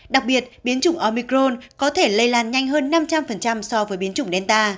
đặc biệt biến chủng omicron có thể lây lan nhanh hơn năm trăm linh so với biến chủng delta